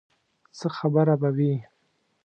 څه خبره به وي.